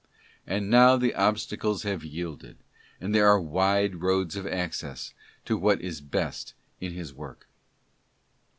And now the obstacles have yielded, and there are wide roads of access to what is best in his work.